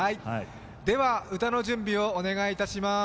では、歌の準備をお願いいたします。